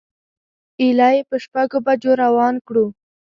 ایله یې په شپږو بجو روان کړو.